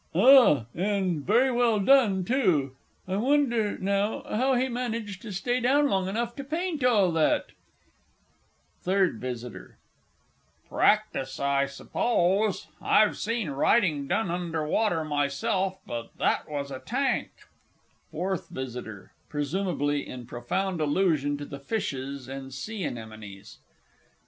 Ah, and very well done, too. I wonder, now, how he managed to stay down long enough to paint all that? [Illustration: "CAPTURED BY A DESULTORY ENTHUSIAST."] THIRD V. Practice, I suppose. I've seen writing done under water myself. But that was a tank! FOURTH V. (presumably in profound allusion to the fishes and sea anemones).